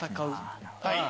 はい。